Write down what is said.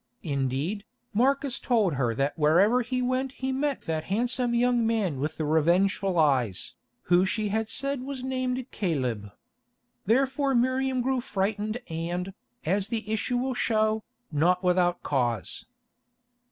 Indeed, Marcus told her that wherever he went he met that handsome young man with revengeful eyes, who she had said was named Caleb. Therefore Miriam grew frightened and, as the issue will show, not without cause.